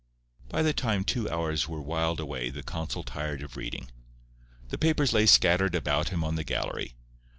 By the time two hours were whiled away the consul tired of reading. The papers lay scattered about him on the gallery.